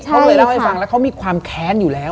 เขาเลยเล่าให้ฟังแล้วเขามีความแค้นอยู่แล้ว